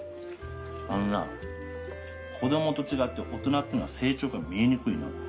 あのな子供と違って大人ってのは成長が見えにくいの。